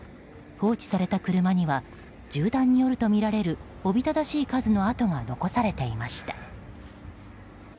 放置された車には銃弾によるとみられるおびただしい数の痕が残されていました。